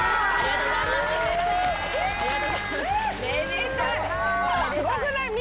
すごくない？